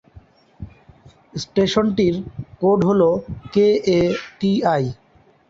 স্টেশনটির code হল কেএটিআই।